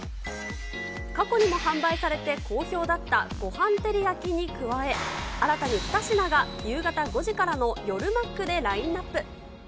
過去にも販売されて好評だったごはんてりやきに加え、新たに２品が夕方５時からの夜マックでラインナップ。